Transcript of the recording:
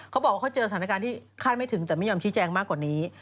เขาบอกว่าเขาเจอสถานการณ์ที่คาดไม่ถึงแต่ไม่ยอมชี้แจงมากกว่านี้